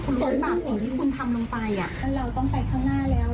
คุณรู้ภาพสิ่งที่คุณทำลงไปเราต้องไปข้างหน้าแล้ว